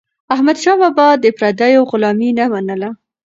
احمدشاه بابا د پردیو غلامي نه منله.